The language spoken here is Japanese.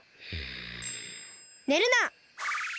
ねるな！